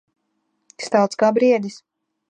Stalts kā briedis.